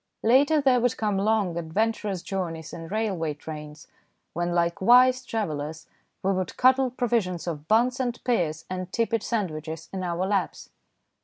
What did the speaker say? Later there would come long, adventurous journeys in railway trains, when, like wise travellers, we would cuddle provisions of buns and pears and tepid sandwiches in our laps.